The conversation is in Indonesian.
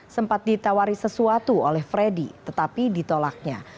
sempat ditawari sesuatu oleh freddy tetapi ditolaknya